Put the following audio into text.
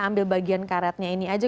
ambil bagian karetnya ini aja